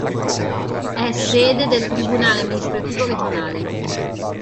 È sede del Tribunale amministrativo regionale.